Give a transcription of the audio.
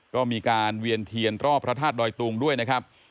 ก็มีการเวียนเทียนรอบพระธาตุดอยตุงด้วยนะครับ